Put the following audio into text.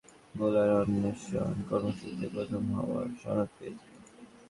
এইচপিতে সুযোগ মিলেছে fast bowler অন্বেষণ কর্মসূচিতে প্রথম হওয়ার সনদ পেয়েই।